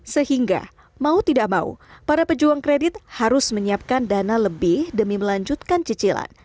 sehingga mau tidak mau para pejuang kredit harus menyiapkan dana lebih demi melanjutkan cicilan